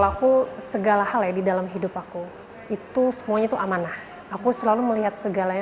aku segala hal ya di dalam hidup aku itu semuanya itu amanah aku selalu melihat segalanya